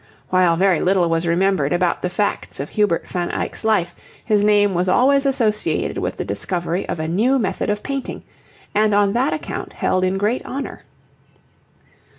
While very little was remembered about the facts of Hubert van Eyck's life, his name was always associated with the discovery of a new method of painting, and on that account held in great honour.